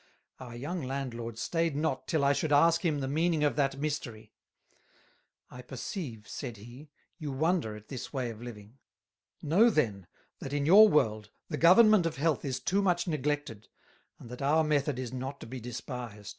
Our young Landlord stayed not till I should ask him the meaning of that Mystery; "I perceive," said he, "you wonder at this way of Living; know then, that in your World, the Government of Health is too much neglected, and that our Method is not to be despised."